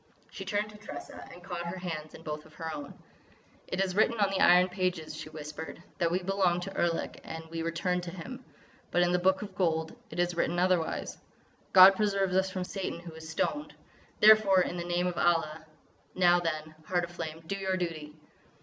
She turned to Tressa and caught her hands in both of her own: "It is written on the Iron Pages," she whispered, "that we belong to Erlik and we return to him. But in the Book of Gold it is written otherwise: 'God preserve us from Satan who was stoned!' ... Therefore, in the name of Allah! Now then, Heart of Flame, do your duty!"